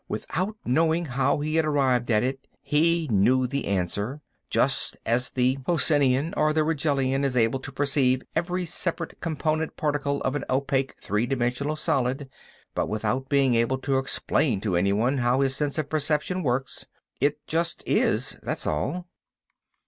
Without knowing how he had arrived at it, he knew the answer; just as the Posenian or the Rigellian is able to perceive every separate component particle of an opaque, three dimensional solid, but without being able to explain to anyone how his sense of perception works. It just is, that's all.